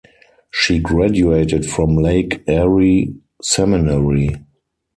She graduated from Lake Erie Seminary.